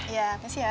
iya terima kasih ya